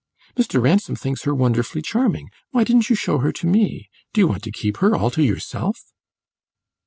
"Mr. Ransom thinks her wonderfully charming. Why didn't you show her to me? Do you want to keep her all to yourself?"